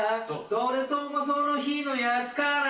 それともその日のやつかな？